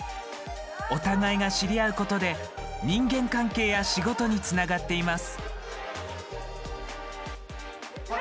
お互いが知り合うことで人間関係や仕事につながっています。